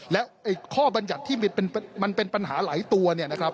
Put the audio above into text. และข้อบรรยันที่มันเป็นปัญหาหลายตัว